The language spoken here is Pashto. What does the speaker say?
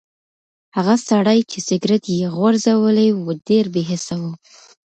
هغه سړی چې سګرټ یې غورځولی و ډېر بې حسه و.